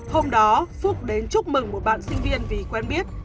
hôm đó phúc đến chúc mừng một bạn sinh viên vì quen biết